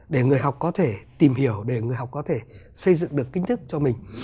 để người học có thể tìm hiểu để người học có thể xây dựng được kiến thức cho mình